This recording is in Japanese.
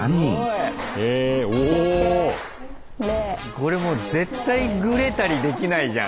これもう絶対グレたりできないじゃん。